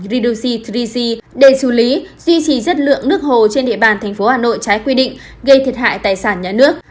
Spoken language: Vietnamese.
reducy ba g để xử lý duy trì rất lượng nước hồ trên địa bàn tp hà nội trái quy định gây thiệt hại tài sản nhà nước